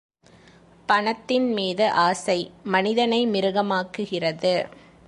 பணத்தின் மீது ஆசை, மனிதனை மிருக மாக்குகிறது.